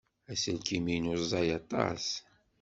Aselkim-inu ẓẓay aṭas.